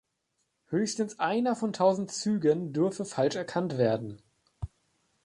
Höchstens einer von tausend Zügen dürfe falsch erkannt werden.